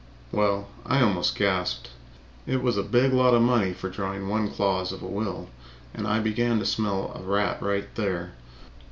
Well, I almost gasped. It was a big lot of money for drawing one clause of a will, and I began to smell a rat right there.